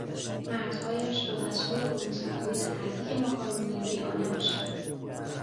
مردهایش با دستور قورمهسبزی و تهدیگ ماکارونی بیگانه باشند